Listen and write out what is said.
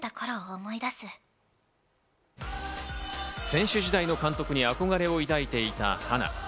選手時代の監督に憧れを抱いていた花。